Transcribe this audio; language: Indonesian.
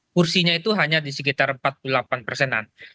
kursinya itu hanya di sekitar empat puluh delapan persenan